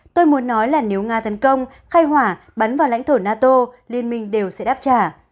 tôi muốn nói là nếu nga tấn công khai hỏa bắn vào lãnh thổ nato liên minh đều sẽ đáp trả